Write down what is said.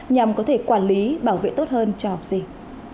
nhằm có thể quản lý bảo vệ tốt hơn cho học sinh